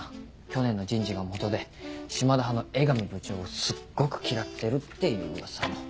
去年の人事がもとで島田派の江上部長をすっごく嫌ってるっていうウワサも。